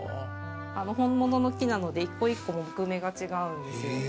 本物の木なので一個一個木目が違うんですよ。